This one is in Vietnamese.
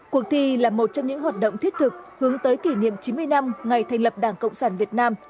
cuộc thi là một trong những hoạt động thiết thực hướng tới kỷ niệm chín mươi năm ngày thành lập đảng cộng sản việt nam